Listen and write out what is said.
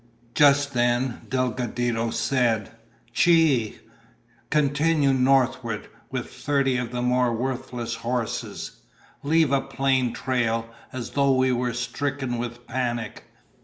Just then Delgadito said, "Chie, continue northward with thirty of the more worthless horses. Leave a plain trail, as though we were stricken with panic.